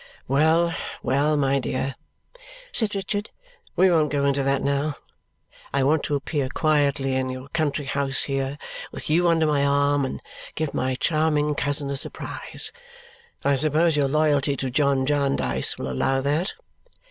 "Well, well, my dear," said Richard, "we won't go into that now. I want to appear quietly in your country house here, with you under my arm, and give my charming cousin a surprise. I suppose your loyalty to John Jarndyce will allow that?"